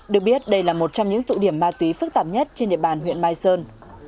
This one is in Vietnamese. được biết đây là một trong những tụ điểm ma túy phức tạp nhất trên địa bàn huyện mai sơn